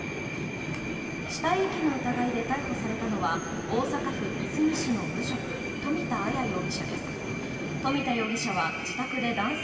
死体遺棄の疑いで逮捕されたのは大阪府和泉市の無職富田あや容疑者です。